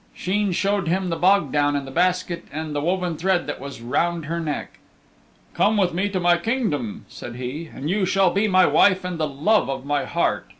Sheen showed him the bog down in the basket and the woven thread that was round her neck. "Come with me to my kingdom," said he, "and you shall be my wife and the love of my heart."